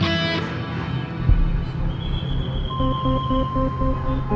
bowed sell atau binz alutil saham